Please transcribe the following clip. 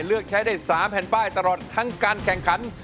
เลือกใช้ได้๓แผ่นป้ายตลอดทั้งการแข่งขัน